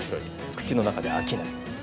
口の中で飽きない。